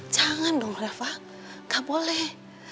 jangan dong reva gak boleh